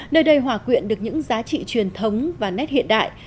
nơi đây hòa quyện được những giá trị truyền thống và nét hiện đại